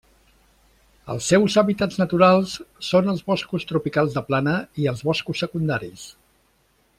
Els seus hàbitats naturals són els boscos tropicals de plana i els boscos secundaris.